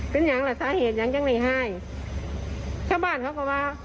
เป็นยังล่ะสาเหตุยังยังไม่ให้ชาวบ้านเขาก็ว่า